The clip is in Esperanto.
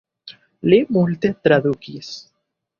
Li multe tradukis.